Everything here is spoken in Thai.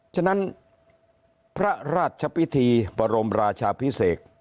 ฉะนั้นพระราชพิธีบรมราชาพิเศษ